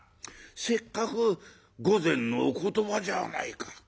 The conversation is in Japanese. せっかく御前のお言葉じゃないか。